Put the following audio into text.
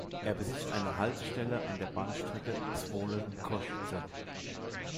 Er besitzt eine Haltestelle an der Bahnstrecke Zvolen–Košice.